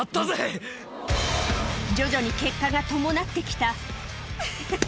徐々に結果が伴ってきたウフフ！